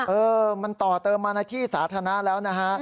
เออมันต่อเติมมาในที่สาธารณะแล้วนะฮะ